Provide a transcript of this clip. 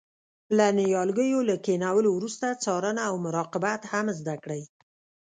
د نیالګیو له کینولو وروسته څارنه او مراقبت هم زده کړئ.